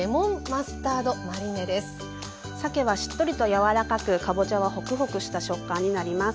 さけはしっとりと柔らかくかぼちゃはホクホクした食感になります。